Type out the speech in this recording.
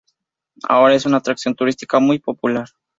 Ahora es una atracción turística muy popular.